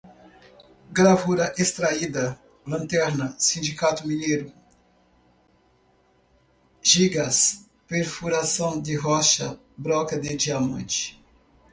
gravura extraída, lanterna, sindicato mineiro, jigas, perfuração de rocha, broca de diamante